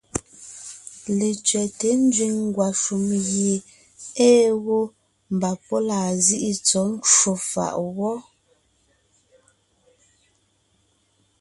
Letsẅɛ́te nzẅìŋ ngwàshùm gie ée wó, mbà pɔ́ laa zíʼi tsɔ̌ ncwò fàʼ wɔ́.